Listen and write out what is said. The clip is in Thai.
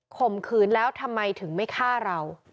ข่มขืนแล้วทำไมถึงไม่ฆ่าเรา